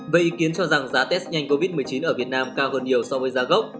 vậy ý kiến cho rằng giá test nhanh covid một mươi chín ở việt nam cao hơn nhiều so với giá gốc